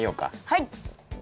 はい！